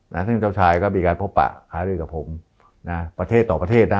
ซึ่งเจ้าชายก็มีการพบปะหารือกับผมนะประเทศต่อประเทศนะ